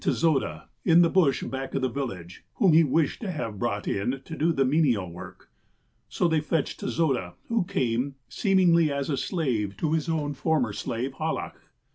114 THE APOSTLE OF ALASKA Tezoda, in tlie bush back of the village, whom he wished to have brought in to do the menial work. ''So they fetched Tezoda, who came, seemingly as a slave to his own former slave, Hallach.